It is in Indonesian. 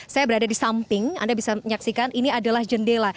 saya berada di samping anda bisa menyaksikan ini adalah jendela